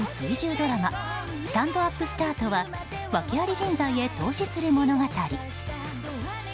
ドラマ「スタンドＵＰスタート」は訳アリ人材へ投資する物語。